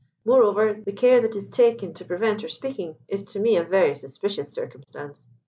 Moreover, the care that is taken to prevent her speaking is to me a very suspicious circumstance.